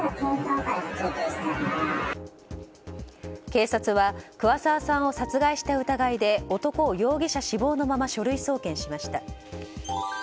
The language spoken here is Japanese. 警察は桑沢さんを殺害した疑いで男を容疑者死亡のまま書類送検しました。